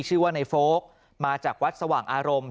ชื่อว่าในโฟลกมาจากวัดสว่างอารมณ์